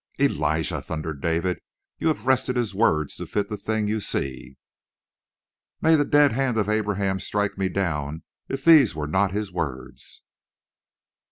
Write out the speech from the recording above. '" "Elijah," thundered David, "you have wrested his words to fit the thing you see." "May the dead hand of Abraham strike me down if these were not his words."